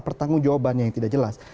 pertanggung jawabannya yang tidak jelas